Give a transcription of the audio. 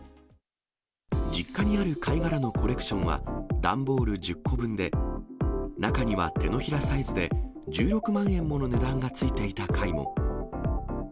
実家にある貝殻のコレクションは、段ボール１０個分で、中には手のひらサイズで、１６万円もの値段がついていた貝も。